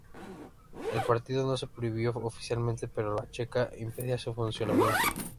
El partido no se prohibió oficialmente, pero la Cheka impedía su funcionamiento.